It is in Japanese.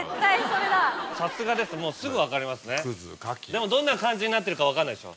でもどんな感じになってるか分かんないでしょ。